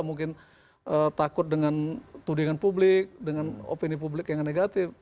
mungkin takut dengan tudingan publik dengan opini publik yang negatif